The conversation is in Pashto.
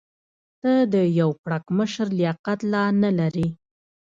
ته د یو پړکمشر لیاقت لا نه لرې.